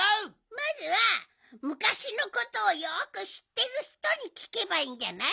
まずはむかしのことをよくしってるひとにきけばいいんじゃない？